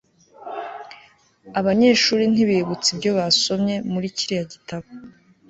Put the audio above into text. abanyeshuri ntibibutse ibyo basomye muri kiriya gitabo